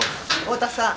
太田さん